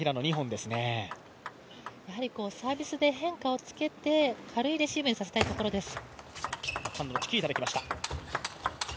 サービスで変化をつけて、軽いレシーブにさせたいところです。